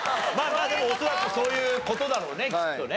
まあでも恐らくそういう事だろうねきっとね。